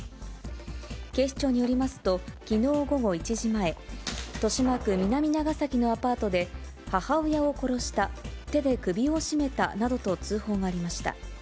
警視庁によりますと、きのう午後１時前、豊島区南長崎のアパートで、母親を殺した、手で首を絞めたなどと通報がありました。